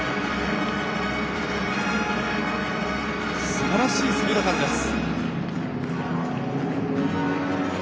すばらしいスピード感です。